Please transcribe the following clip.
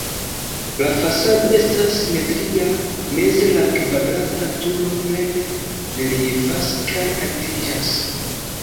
La fasado estas simetria, meze la kvadrata turo plene reliefas kaj altiĝas.